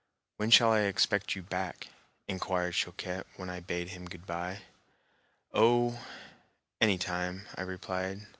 "When shall I expect you back?" inquired Choquette, when I bade him good bye. "Oh, any time," I replied.